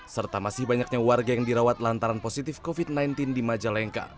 serta masih banyaknya warga yang dirawat lantaran positif covid sembilan belas di majalengka